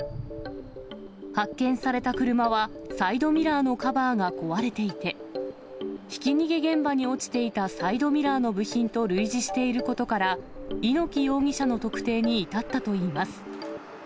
発見された車は、サイドミラーのカバーが壊れていて、ひき逃げ現場に落ちていたサイドミラーの部品と類似していることから、猪木容疑者の特定に至ったといいます。